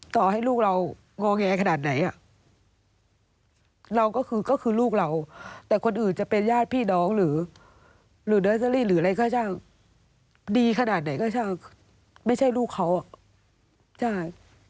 ต่อให้ลูกเรางอแงขนาดไหนอ่ะเราก็คือก็คือลูกเราแต่คนอื่นจะเป็นญาติพี่น้องหรือเดอร์เซอรี่หรืออะไรก็ช่างดีขนาดไหนก็ช่างไม่ใช่ลูกเขาอ่ะใช่